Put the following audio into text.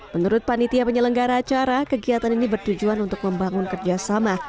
menurut panitia penyelenggara acara kegiatan ini bertujuan untuk membangun kerjasama